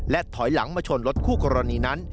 ถอยหลังมาชนรถคู่กรณีนั้น